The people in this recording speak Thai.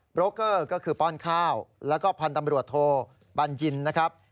โลเกอร์ก็คือป้อนข้าวแล้วก็พันธมรวดโทบรรยินทร์นะครับ